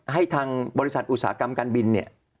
ให้ทางบริษัทอุตสาหกรรมการบินเนี่ย